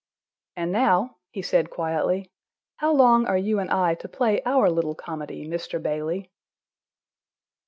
"And now," he said quietly, "how long are you and I to play OUR little comedy, Mr. Bailey?"